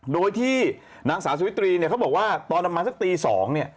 โดยที่นางสาวสุขุวิท๓เขาบอกว่าตอนนั้นมาสักตี๒